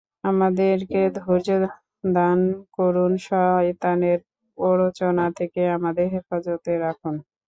আমাদেরকে ধৈর্য দান করুন, শয়তানের প্ররোচনা থেকে আমাদের হেফাজতে রাখুন।